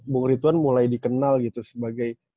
bu gritwan mulai dikenal sebagai